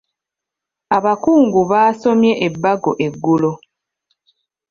Abakungu baasomye ebbago eggulo.